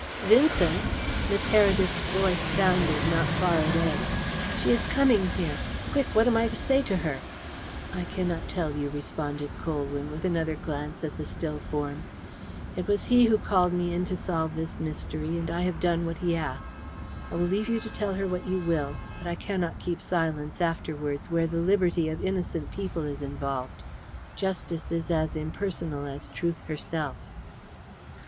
"Vincent!" Miss Heredith's voice sounded not far away. "She is coming here. Quick, what am I to say to her?" "I cannot tell you," responded Colwyn, with another glance at the still form. "It was he who called me in to solve this mystery, and I have done what he asked. I will leave you to tell her what you will, but I cannot keep silence afterwards where the liberty of innocent people is involved. Justice is as impersonal as Truth herself."